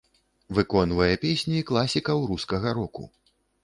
Выконвае песні класікаў рускага року.